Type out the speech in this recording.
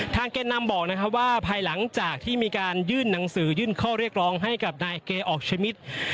แก่นำบอกนะครับว่าภายหลังจากที่มีการยื่นหนังสือยื่นข้อเรียกร้องให้กับนายเกออกชมิต